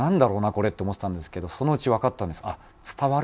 これって思ってたんですけどそのうちわかったんです。